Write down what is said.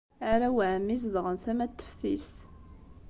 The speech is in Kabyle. Arraw n ɛemmi zedɣen tama n teftist.